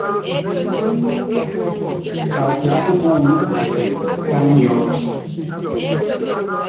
Tɛ atiáka muɔ́nu u kisɛŋɛ, tá miɔ́t.